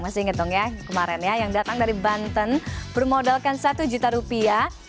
masih inget dong ya kemarin ya yang datang dari banten bermodalkan satu juta rupiah